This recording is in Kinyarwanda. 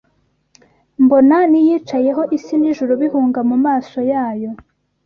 mbona n’Iyicayeho, isi n’ijuru bihunga mu maso yayo